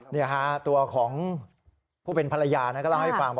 นี่ฮะตัวของผู้เป็นภรรยาก็เล่าให้ฟัง